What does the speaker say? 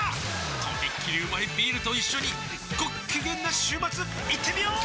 とびっきりうまいビールと一緒にごっきげんな週末いってみよー！